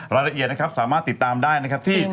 รายละเอียดนะครับสามารถติดตามได้นะครับที่